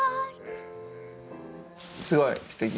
すごい、すてき。